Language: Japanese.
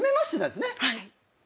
はい。